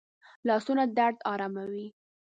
لاسونه درد آراموي